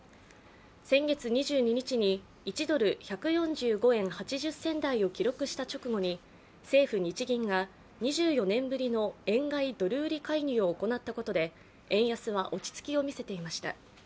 先月２２日に１ドル＝１４５円８０銭台を記録した直後に政府・日銀が２４年ぶりの円買い・ドル売り介入を行ったことで円安は落ち着きを見せていました。